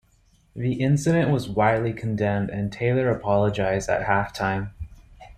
The incident was widely condemned and Taylor apologised at half time.